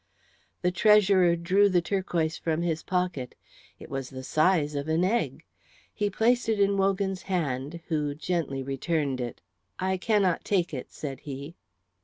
The treasurer drew the turquoise from his pocket. It was of the size of an egg. He placed it in Wogan's hand, who gently returned it. "I cannot take it," said he.